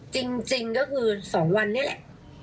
จริงก็คือ๒วันนี้แหละ